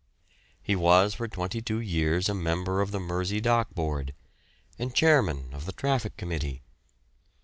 He was for twenty two years a member of the Mersey Dock Board, and chairman of the Traffic Committee.